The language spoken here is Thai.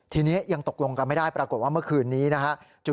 ทีนี้ยังตกลงกันไม่ได้ปรากฏว่าเมื่อคืนนี้นะฮะ